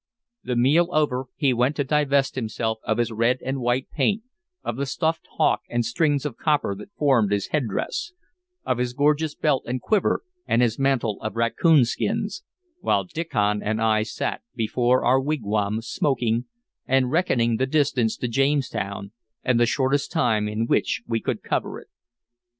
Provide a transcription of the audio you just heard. The meal over, he went to divest himself of his red and white paint, of the stuffed hawk and strings of copper that formed his headdress, of his gorgeous belt and quiver and his mantle of raccoon skins, while Diccon and I sat still before our wigwam, smoking, and reckoning the distance to Jamestown and the shortest time in which we could cover it.